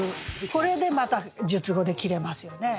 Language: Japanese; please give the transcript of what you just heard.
これでまた述語で切れますよね。